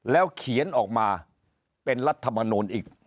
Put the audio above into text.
แล้วเขียนออกมาเป็นรัฐมนูลอีก